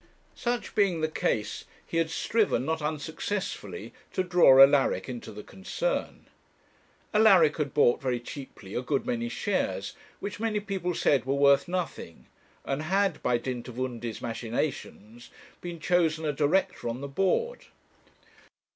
Such being the case, he had striven, not unsuccessfully, to draw Alaric into the concern. Alaric had bought very cheaply a good many shares, which many people said were worth nothing, and had, by dint of Undy's machinations, been chosen a director on the board.